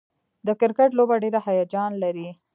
د کرکټ لوبه ډېره هیجان لري.